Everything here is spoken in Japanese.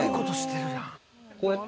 こうやって。